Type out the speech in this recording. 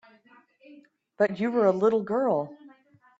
But you were a little girl.